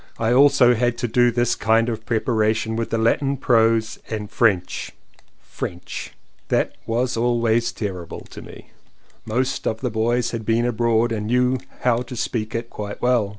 I also had to do this kind of 192 LLEWELLYN POWYS preparation with the Latin Prose and French — French! that was always terrible to me; most of the boys had been abroad and knew how to speak it quite well.